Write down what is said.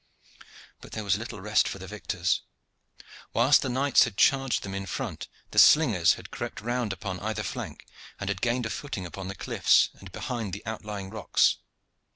But there was little rest for the victors. Whilst the knights had charged them in front the slingers had crept round upon either flank and had gained a footing upon the cliffs and behind the outlying rocks.